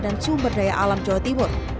dan sumber daya alam jawa timur